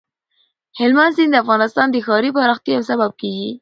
هلمند سیند د افغانستان د ښاري پراختیا یو سبب کېږي.